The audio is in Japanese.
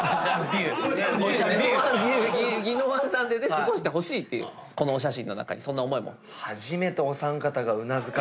過ごしてほしいっていうこのお写真の中にそんな思いも。